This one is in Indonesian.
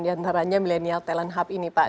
diantaranya millennial talent hub ini pak